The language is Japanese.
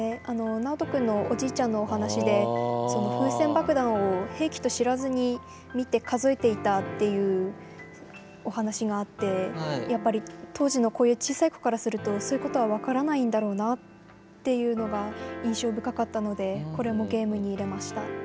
なおとくんのおじいちゃんのお話で風船爆弾を兵器と知らずに見て数えていたっていうお話があって当時のこういう小さい子からするとそういうことは分からないんだろうなっていうのが印象深かったのでこれもゲームに入れました。